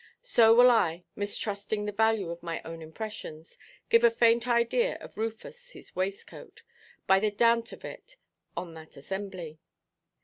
So will I, mistrusting the value of my own impressions, give a faint idea of Rufus his waistcoat, by the dount of it on that assembly.